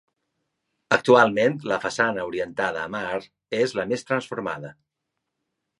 Actualment, la façana orientada a mar és la més transformada.